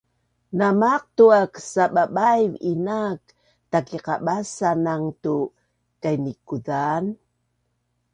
Na maqtu aak sababaiv inaak taikiqabasanang tu kainikuzaan